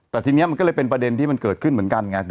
แต่ทีนี้มันก็เลยเป็นประเด็นที่มันเกิดขึ้นเหมือนกันไง